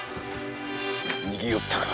逃げおったか。